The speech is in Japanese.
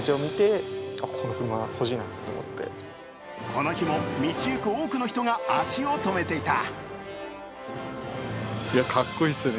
この日も道行く多くの人が足を止めていた。